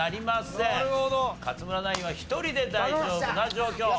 勝村ナインは１人で大丈夫な状況。